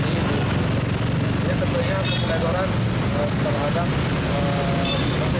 jadi dalam izin kan sudah jelas yang dipasang apa yang terapar apa itu yang penting